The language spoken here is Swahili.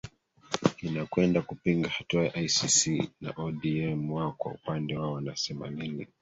inakwenda kupinga hatua ya icc na odm wao kwa upande wao wanasema nini